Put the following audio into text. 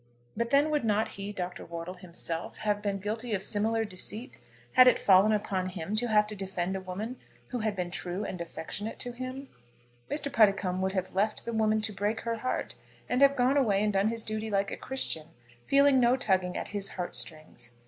But then would not he, Dr. Wortle himself, have been guilty of similar deceit had it fallen upon him to have to defend a woman who had been true and affectionate to him? Mr. Puddicombe would have left the woman to break her heart and have gone away and done his duty like a Christian, feeling no tugging at his heart strings.